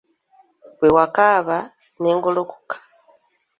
Bwe wakaaba ne ngolokoka